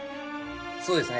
そうですね。